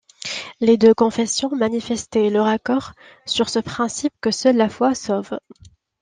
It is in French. Les deux confessions manifestaient leur accord sur ce principe que seule la foi sauve.